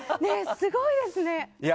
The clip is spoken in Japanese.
すごいですね！